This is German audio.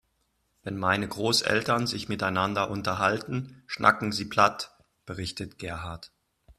Wenn meine Großeltern sich miteinander unterhalten, schnacken sie platt, berichtet Gerhard.